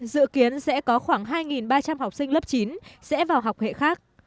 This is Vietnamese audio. dự kiến sẽ có khoảng hai ba trăm linh học sinh lớp chín sẽ vào học hệ khác